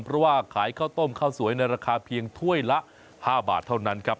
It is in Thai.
เพราะว่าขายข้าวต้มข้าวสวยในราคาเพียงถ้วยละ๕บาทเท่านั้นครับ